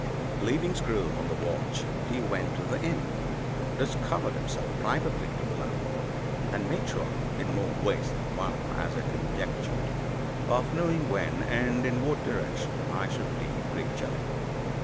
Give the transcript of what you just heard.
Leaving Screw on the watch, he went to the inn, discovered himself privately to the landlord, and made sure (in more ways than one, as I conjectured) of knowing when, and in what direction, I should leave Crickgelly.